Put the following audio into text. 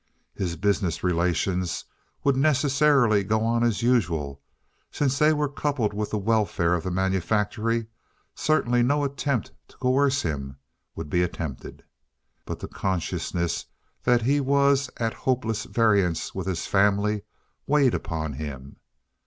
His business relations would necessarily go on as usual, since they were coupled with the welfare of the manufactory; certainly no attempt to coerce him would be attempted. But the consciousness that he was at hopeless variance with his family weighed upon him.